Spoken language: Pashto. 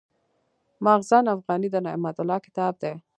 مخزن افغاني د نعمت الله کتاب دﺉ.